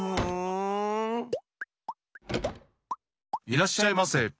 いらっしゃいませ！